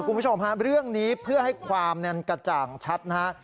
คุณผู้ชมฮะเรื่องนี้เพื่อให้ความกระจ่างชัดนะฮะ